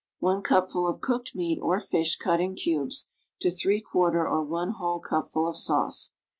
1 cupful of cooked meat, or fish cut in cubes, to y^ or 1 whole cupful of sauce.